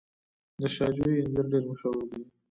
د شاه جوی انځر ډیر مشهور دي.